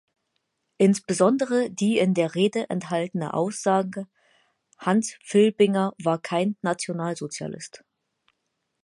Insbesondere die in der Rede enthaltene Aussage "„Hans Filbinger war kein Nationalsozialist.